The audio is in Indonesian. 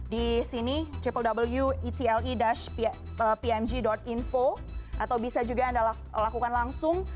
di sini kpw etle pmg info atau bisa juga anda lakukan langsung